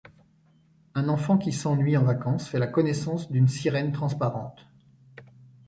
Un enfant qui s’ennuie en vacances fait la connaissance d’une sirène transparente.